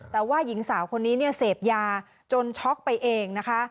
แต่ว่าหญิงสาวคนนี้เนี่ยเสพยาจนช็อกไปเองนะคะ